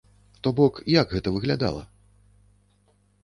То бок як гэта выглядала?